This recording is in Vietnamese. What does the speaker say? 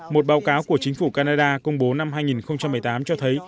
một báo cáo của chính phủ canada công bố năm hai nghìn một mươi tám cho thấy